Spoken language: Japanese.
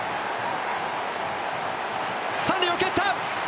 三塁を蹴った！